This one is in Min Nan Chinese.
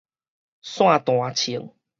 散彈銃